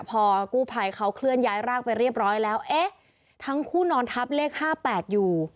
พอกู้ภัยเขาเคลื่อนย้ายร่างไปเรียบร้อยแล้วเอ๊ะทั้งคู่นอนทับเลข๕๘อยู่